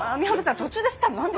途中で吸ったの何ですか？